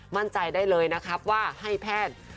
มั่นใจได้เลยนะครับว่าให้แพทย์